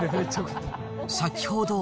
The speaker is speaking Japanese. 先ほど。